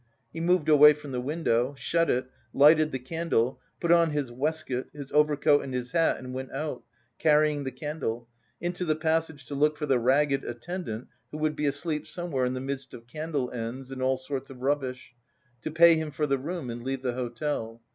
He moved away from the window, shut it, lighted the candle, put on his waistcoat, his overcoat and his hat and went out, carrying the candle, into the passage to look for the ragged attendant who would be asleep somewhere in the midst of candle ends and all sorts of rubbish, to pay him for the room and leave the hotel.